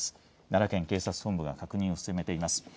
奈良県警察本部が確認を進めています。